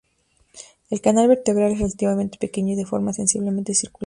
El canal vertebral, es relativamente pequeño y de forma sensiblemente circular.